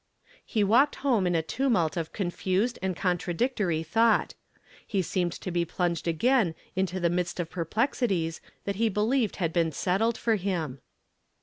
He walked home in a tumult of confused and contradictory thought. He seemed to be pluno ed again into the midst of perplexities that he 1)e lieved had been settled for him.